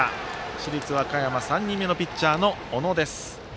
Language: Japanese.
市立和歌山３人目のピッチャーの小野です。